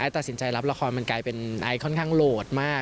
ตัดสินใจรับละครมันกลายเป็นไอค่อนข้างโหลดมาก